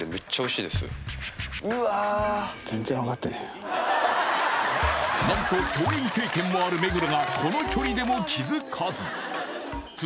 うわっ何と共演経験もある目黒がこの距離でも気づかずあ